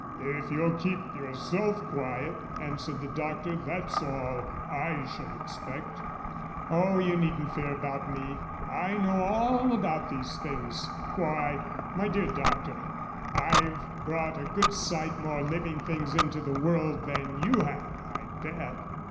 "If you'll keep yourself quiet," answered the doctor, "that's all I shall expect." "Oh, you needn't fear about me. I know all about these things why, my dear doctor, I've brought a good sight more living things into the world than you have, I bet."